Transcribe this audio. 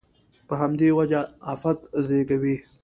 په همدې وجه افت زېږوي.